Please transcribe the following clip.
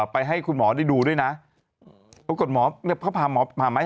ไปให้คุณหมอได้ดูด้วยนะ